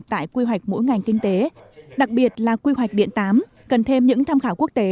tại quy hoạch mỗi ngành kinh tế đặc biệt là quy hoạch điện tám cần thêm những tham khảo quốc tế